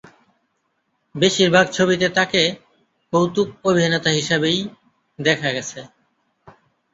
বেশিরভাগ ছবিতে তাঁকে কৌতুক অভিনেতা হিসাবেই দেখা গেছে।